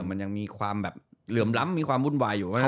มันยังมีความแบบเหลื่อมล้ำมีความวุ่นวายอยู่